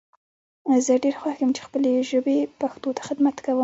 زه ډیر خوښ یم چی خپلې ژبي پښتو ته خدمت کوم